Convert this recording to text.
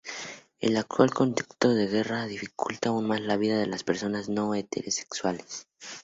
El actual contexto de guerra dificulta aún más la vida de las personas no-heterosexuales.